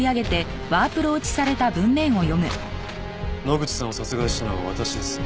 「野口さんを殺害したのは私です」